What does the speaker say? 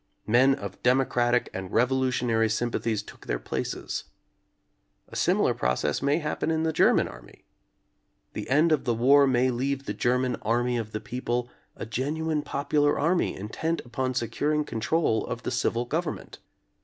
Men of democratic and revolutionary sympathies took their places. A similar process may happen in the German army. The end of the war may leave the German "army of the people" a genu ine popular army intent upon securing control of the civil government.